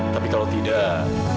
tapi kalau tidak